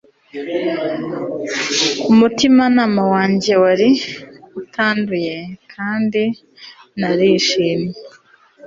umutimanama wanjye wari utanduye, kandi narishimye